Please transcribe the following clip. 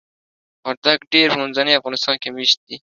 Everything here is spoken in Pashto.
وردګ ډیری په منځني افغانستان کې میشت دي.